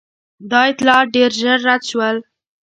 دا اطلاعات ډېر ژر رد شول.